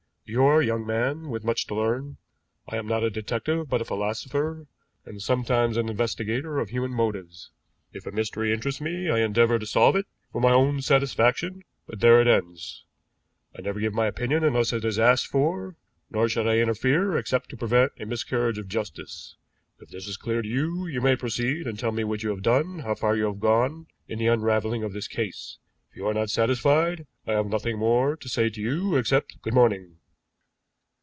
You are a young man with much to learn. I am not a detective, but a philosopher, and sometimes an investigator of human motives. If a mystery interests me I endeavor to solve it for my own satisfaction, but there it ends. I never give my opinion unless it is asked for, nor should I interfere except to prevent a miscarriage of justice. If this is clear to you, you may proceed and tell me what you have done, how far you have gone in the unraveling of this case; if you are not satisfied, I have nothing more to say to you except 'Good morning!'"